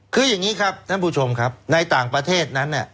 คืออย่างนี้ครับท่านผู้ชมครับในต่างประเทศนั้นเนี่ย